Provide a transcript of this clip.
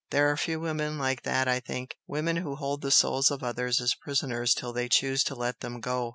There are few women like that I think! women who hold the souls of others as prisoners till they choose to let them go!"